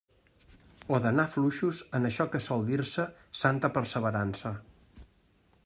O d'anar fluixos en això que sol dir-se santa perseverança.